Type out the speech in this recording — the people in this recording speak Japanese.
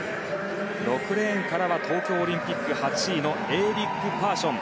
６レーンからは東京オリンピック８位のエーリック・パーション。